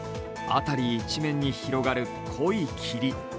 辺り一面に広がる濃い霧。